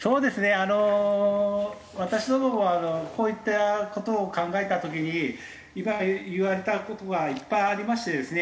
あの私どももこういった事を考えた時に言われた事がいっぱいありましてですね